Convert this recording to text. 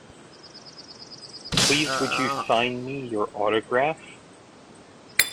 Please would you sign me your autograph?